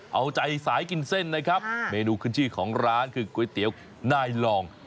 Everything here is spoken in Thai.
เอาใจสายกินเส้นนะครับเมนูขึ้นชื่อของร้านคือก๋วยเตี๋ยวนายลอง